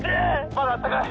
まだあったかい！